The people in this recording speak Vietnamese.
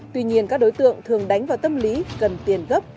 tuy nhiên các đối tượng thường đánh vào tâm lý cần tiền gấp